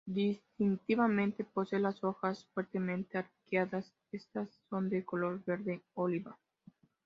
Distintivamente posee las hojas fuertemente arqueadas; estas son de color verde-oliva.